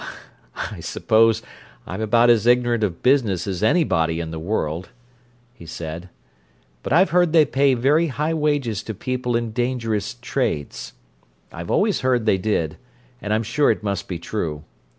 "I suppose I'm about as ignorant of business as anybody in the world," he said. "But I've heard they pay very high wages to people in dangerous trades; I've always heard they did, and I'm sure it must be true.